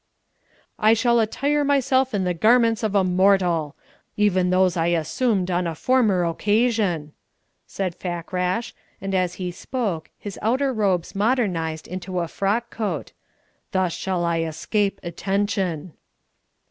"I shall attire myself in the garments of a mortal even those I assumed on a former occasion," said Fakrash, and as he spoke his outer robes modernised into a frock coat. "Thus shall I escape attention."